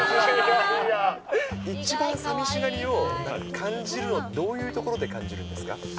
一番さみしがりを感じるのはどういうところで感じるんですか？